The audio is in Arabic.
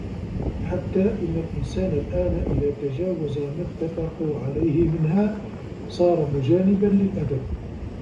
حَتَّى إنَّ الْإِنْسَانَ الْآنَ إذَا تَجَاوَزَ مَا اتَّفَقُوا عَلَيْهِ مِنْهَا صَارَ مُجَانِبًا لِلْأَدَبِ